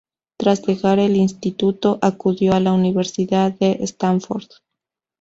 Tras dejar el instituto, acudió a la Universidad de Stanford.